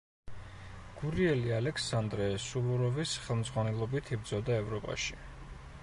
გურიელი ალექსანდრე სუვოროვის ხელმძღვანელობით იბრძოდა ევროპაში.